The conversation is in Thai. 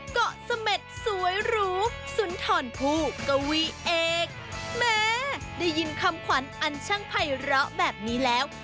เกาะเสม็ดสวยหรูสุนทรผู้กวีเอกแม้ได้ยินคำขวัญอันช่างไพร้อแบบนี้แล้ว